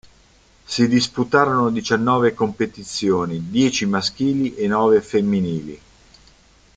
Si disputarono diciannove competizioni, dieci maschili e nove femminili.